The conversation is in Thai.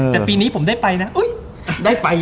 แต่ปีนี้ผมได้ไปนะ